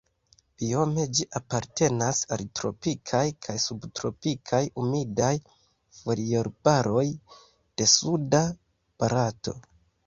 Biome ĝi apartenas al tropikaj kaj subtropikaj humidaj foliarbaroj de suda Barato.